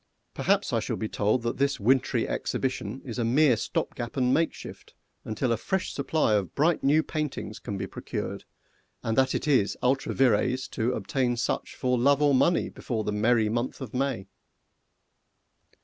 Perhaps I shall be told that this wintry exhibition is a mere stopgap and makeshift, until a fresh supply of bright new paintings can be procured, and that it is ultra vires to obtain such for love or money before the merry month of May.